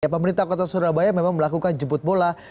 pemerintah kota surabaya memang melakukan jemput bola